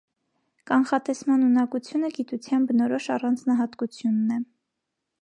Կանխատեսման ունակությունը գիտության բնորոշ առանձնահատկությունն Է։